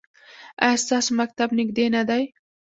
ایا ستاسو مکتب نږدې نه دی؟